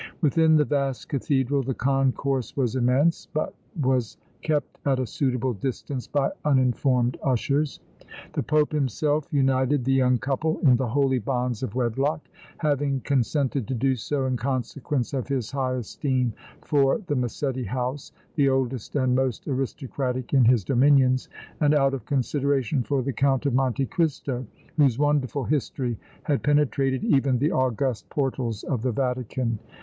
Within the vast cathedral the concourse was immense, but was kept at a suitable distance by uniformed ushers. The Pope himself united the young couple in the holy bonds of wedlock, having consented to do so in consequence of his high esteem for the Massetti house, the oldest and most aristocratic in his dominions, and out of consideration for the Count of Monte Cristo, whose wonderful history had penetrated even the august portals of the Vatican.